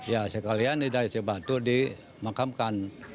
ya sekalian di daerah cibatu dimakamkan